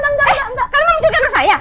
eh kalian mau mencurig anak saya